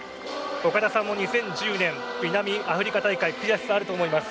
岡田さんも２０１０年南アフリカ大会悔しさ、あると思います。